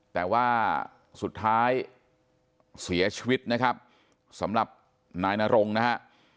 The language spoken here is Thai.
แต่ว่าสุดท้ายเสียชีวิตนะครับสำหรับนายนรงนะฮะ